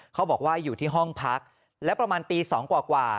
เขาบอกว่าอยู่ที่ห้องพักและประมาณตี๒กว่า